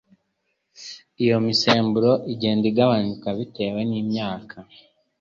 iyi misemburo igenda igabanuka bitewe n'imyaka